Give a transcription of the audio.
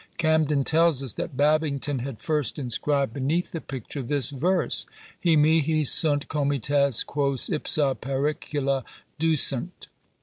Camden tells us that Babington had first inscribed beneath the picture this verse: Hi mihi sunt comites, quos ipsa pericula ducunt.